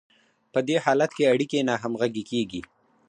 په دې حالت کې اړیکې ناهمغږې کیږي.